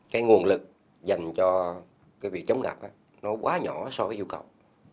cái nguồn lực dành cho cái việc chống ngập nó quá nhỏ so với yêu cầu